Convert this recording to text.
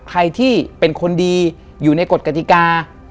ใครที่เป็นคนดีอยู่ในกฎกติกา